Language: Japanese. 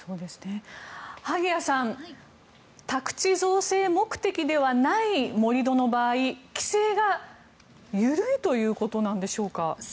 萩谷さん、宅地造成目的ではない盛り土の場合、規制が緩いということなんでしょうか。